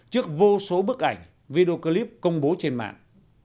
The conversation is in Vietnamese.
trước vô số bức ảnh video clip công bố trên mạng